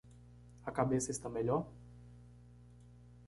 A cabeça está melhor?